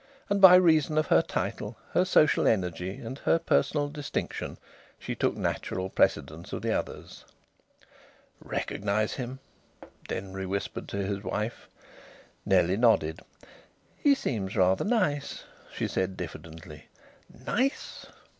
And by reason of her title, her social energy, and her personal distinction, she took natural precedence of the others. "Recognise him?" Denry whispered to his wife. Nellie nodded. "He seems rather nice," she said diffidently. "Nice!"